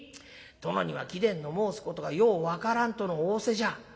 殿には貴殿の申すことがよう分からんとの仰せじゃ」。